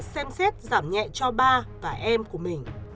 xem xét giảm nhẹ cho ba và em của mình